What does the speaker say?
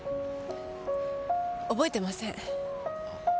覚えてません。